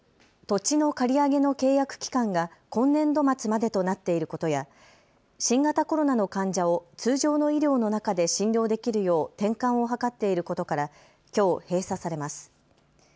土地の借り上げの契約期間が今年度末までとなっていることや新型コロナの患者を通常の医療の中で診療できるよう転換を図っていることからきょう閉鎖されます。